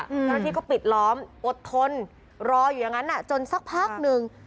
พระราชีพก็ปิดล้อมอดทนรออยู่อย่างนั้นจนสักพักนึง